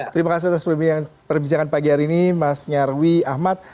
terima kasih atas perbincangan pagi hari ini mas nyarwi ahmad